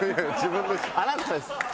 あなたです。